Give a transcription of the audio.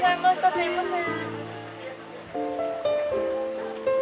すみません。